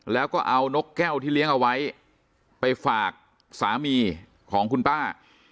แล้วก็เอานกแก้วที่เลี้ยงเอาไว้ไปฝากสามีของคุณป้า